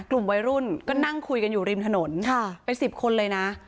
กลุ่มวัยรุ่นก็นั่งคุยกันอยู่ริมถนนเป็น๑๐คนเลยนะ